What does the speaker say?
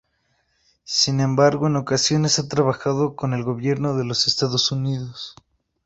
Sin embargo en ocasiones ha trabajado con el gobierno de los Estados Unidos.